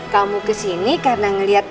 kamu kesini karena ngeliat